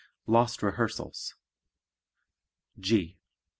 Lost Rehearsals G.